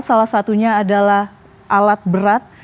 salah satunya adalah alat berat